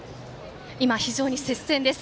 今、非常に接戦です。